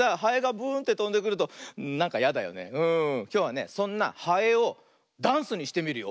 きょうはねそんなハエをダンスにしてみるよ。